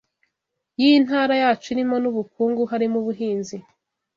cy’intara yacu irimo n’ubukungu, harimo ubuhinzi